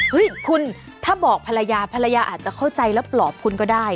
เฮ้ยคุณถ้าบอกภรรยาภรรยาอาจจะเข้าใจแล้วปลอบคุณก็ได้